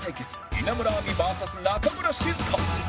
稲村亜美 ＶＳ 中村静香